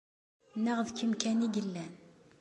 Neɣ d kemm kan i yellan.